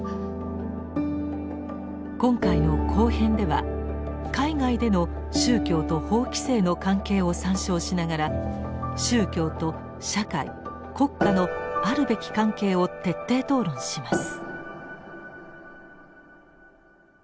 今回の後編では海外での宗教と法規制の関係を参照しながら宗教と社会国家のあるべき関係を徹底討論します。